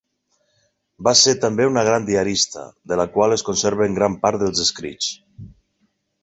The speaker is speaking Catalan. Va ser també una gran diarista, de la qual es conserven gran part dels escrits.